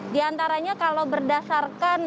di antaranya kalau berdasarkan